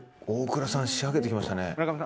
大倉さん仕掛けてきましたね。